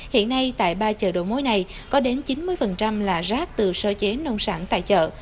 hiện nay tại ba chợ đầu mối này có đến chín mươi là rác từ sơ chế nông sản tài trợ